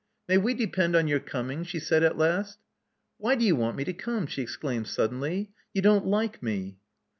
May we depend on your coming?" she said at last. Why do you want me to come?'* he exclaimed suddenly. You don't like me.